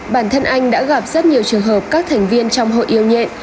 bản thân anh đã gặp rất nhiều trường hợp các thành viên trong hội yêu nhẹ